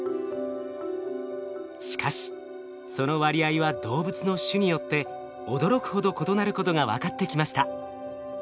しかしその割合は動物の種によって驚くほど異なることが分かってきました。